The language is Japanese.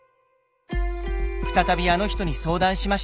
再びあの人に相談しました。